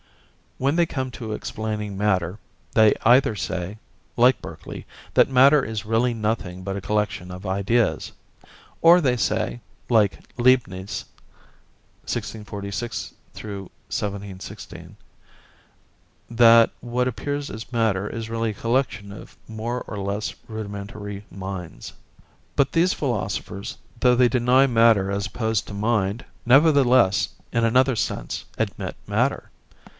When they come to explaining matter, they either say, like Berkeley, that matter is really nothing but a collection of ideas, or they say, like Leibniz (1646 1716), that what appears as matter is really a collection of more or less rudimentary minds. But these philosophers, though they deny matter as opposed to mind, nevertheless, in another sense, admit matter.